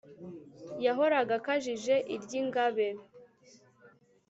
yahoraga akajije iry’ingabe